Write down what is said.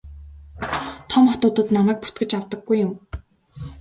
Том хотуудад намайг бүртгэж авдаггүй юм.